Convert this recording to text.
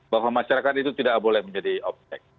bahwa masyarakat itu tidak boleh menjadi objek